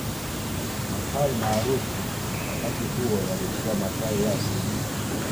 matawi maarufu wakati huo yalikuwa matawi ya simba